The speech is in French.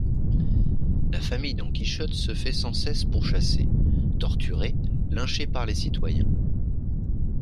La famille Don Quijote se fait sans cesse pourchasser, torturer, lyncher par les citoyens.